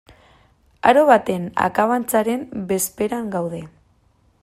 Aro baten akabantzaren bezperan gaude.